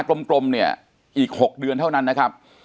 กลมเนี่ยอีก๖เดือนเท่านั้นนะครับ